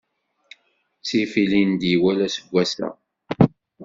Ttif ilindi wala aseggas-a.